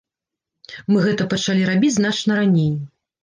Мы гэта пачалі рабіць значна раней.